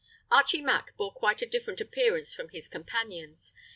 Archie Mack bore quite a different appearance from his companions.